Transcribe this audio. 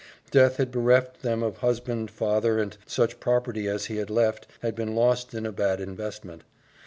Death had bereft them of husband, father, and such property as he had left had been lost in a bad investment.